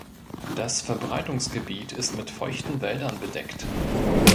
Das Verbreitungsgebiet ist mit feuchten Wäldern bedeckt.